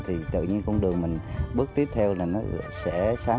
thì tự nhiên con đường mình bước tiếp theo là nó sẽ sáng